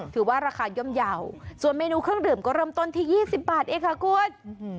ถือว่าราคาย่อมเยาว์ส่วนเมนูเครื่องดื่มก็เริ่มต้นที่๒๐บาทเองค่ะคุณ